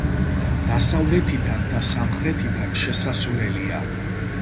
დასავლეთიდან და სამხრეთიდან შესასვლელია.